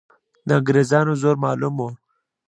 د انګریزانو زور معلوم وو.